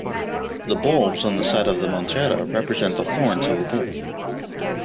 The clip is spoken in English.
The "bulbs" on the sides of the montera represent the horns of a bull.